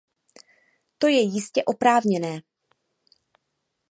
To je jistě oprávněné.